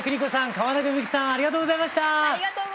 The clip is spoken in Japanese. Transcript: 川中美幸さんありがとうございました。